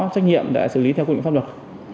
trách nhiệm để xử lý theo quy định pháp luật